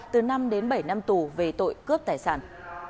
từ năm đến bảy năm tù về tội cướp tài sản